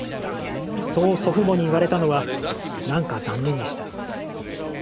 そう祖父母に言われたのは何か残念でした。